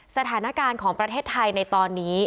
สถานการณ์ของประเทศไทยในตอนนี้